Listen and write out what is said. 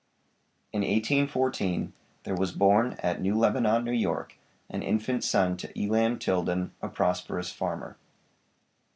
In 1814 there was born at New Lebanon, New York, an infant son to Elam Tilden, a prosperous farmer.